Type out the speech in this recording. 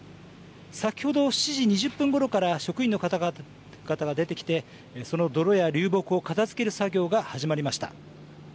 先ほど７時２０分ごろから職員の方々が出てきて、その泥や流木を片づける作業が始まりました。